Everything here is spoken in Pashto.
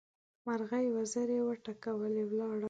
مرغۍ وزرې وټکولې؛ ولاړه.